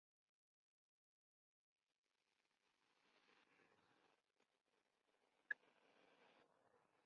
Cheesemaking has been in Wisconsin since the start of its dairy industry.